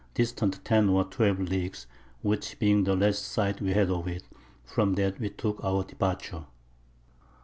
distant 10 or 12 Leagues, which being the last Sight we had of it, from that we took our Departure.